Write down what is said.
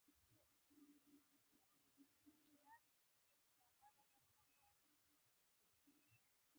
کمې خبرې، د تدبیر نښه ده.